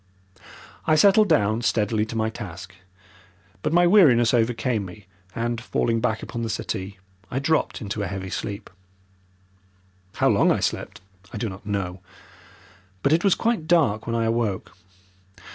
I settled down steadily to my task, but my weariness overcame me and, falling back upon the settee, I dropped into a heavy sleep. How long I slept I do not know, but it was quite dark when I awoke.